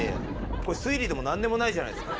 これ推理でも何でもないじゃないですか。